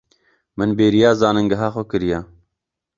Min bêriya zanîngeha xwe kiriye.